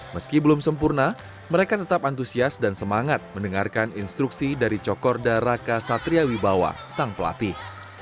meski belum sempurna mereka tetap antusias dan semangat mendengarkan instruksi dari cokorda raka satria wibawa sang pelatih